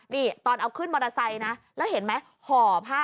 นี่ตอนเอาขึ้นมอเตอร์ไซค์นะแล้วเห็นไหมห่อผ้า